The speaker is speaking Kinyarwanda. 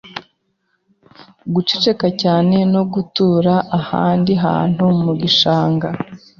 guceceka cyane no gutura ahandi hantu mu gishanga.